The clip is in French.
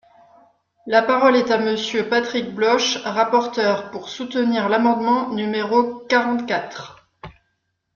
La parole est à Monsieur Patrick Bloche, rapporteur, pour soutenir l’amendement numéro quarante-quatre.